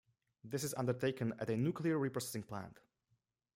This is undertaken at a nuclear reprocessing plant.